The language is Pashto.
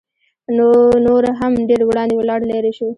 نو نور هم ډېر وړاندې ولاړ لېرې شو.